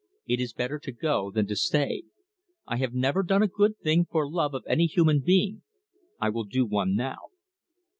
"It is better to go than to stay. I have never done a good thing for love of any human being. I will do one now."